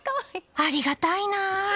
ありがたいな。